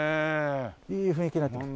いい雰囲気になってきた。